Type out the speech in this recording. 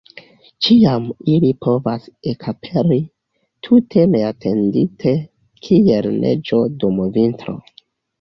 Ĉiam ili povas ekaperi, tute neatendite, kiel neĝo dum vintro!